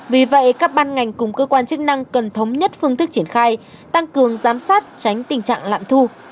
vì vậy các ban ngành cùng cơ quan chức năng cần thống nhất phương thức triển khai tăng cường giám sát tránh tình trạng lạm thu